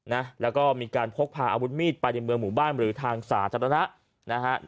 นะแล้วก็มีการพกพาอาวุธมีดไปในเมืองหมู่บ้านหรือทางสาธารณะนะฮะ